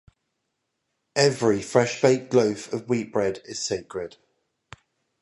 Every fresh-baked loaf of wheat bread is sacred.